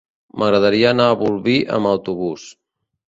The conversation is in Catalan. M'agradaria anar a Bolvir amb autobús.